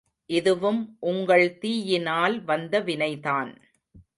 இதுவும் உங்கள் தீயினால் வந்த வினைதான்.